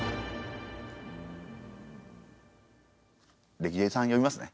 レキデリさん呼びますね。